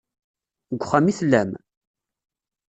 Deg uxxam i tellam?